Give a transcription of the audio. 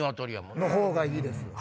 そのほうがいいです。